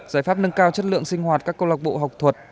giải pháp nâng cao chất lượng sinh hoạt các câu lạc bộ học thuật